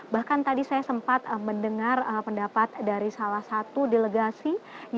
bahkan tadi saya sempat mendengar pendapat dari salah satu delegasi